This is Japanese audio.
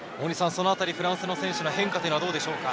フランスの選手の変化はどうでしょうか。